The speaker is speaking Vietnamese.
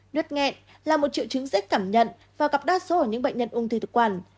nước nghẹn là một triệu chứng rất cảm nhận và gặp đa số ở những bệnh nhân ông thư thực quản